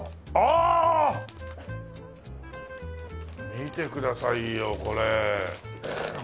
見てくださいよこれ。